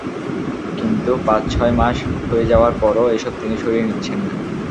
কিন্তু পাঁচ-ছয় মাস হয়ে যাওয়ার পরও এসব তিনি সরিয়ে নিচ্ছেন না।